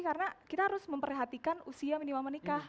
karena kita harus memperhatikan usia minimal menikah